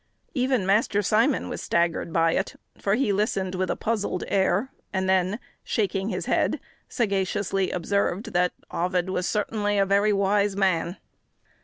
Even Master Simon was staggered by it; for he listened with a puzzled air, and then, shaking his head, sagaciously observed that Ovid was certainly a very wise man.